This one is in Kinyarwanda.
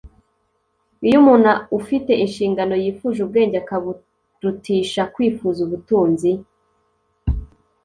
iyo umuntu ufite inshingano yifuje ubwenge akaburutisha kwifuza ubutunzi,